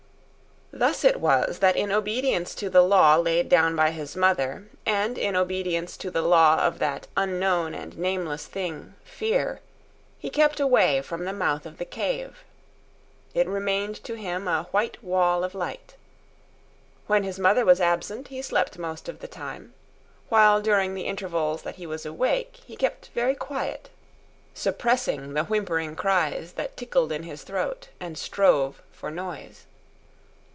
Thus it was that in obedience to the law laid down by his mother, and in obedience to the law of that unknown and nameless thing, fear, he kept away from the mouth of the cave. It remained to him a white wall of light. When his mother was absent, he slept most of the time, while during the intervals that he was awake he kept very quiet, suppressing the whimpering cries that tickled in his throat and strove for noise.